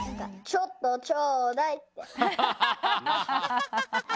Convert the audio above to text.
「ちょっとちょうだい」。